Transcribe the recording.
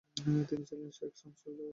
তিনি ছিলেন শেখ শামস-উদ-দ্বীনের পুত্র।